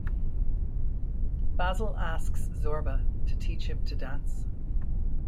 Basil asks Zorba to teach him to dance.